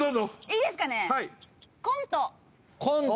いいですかね？